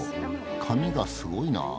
髪がすごいなあ。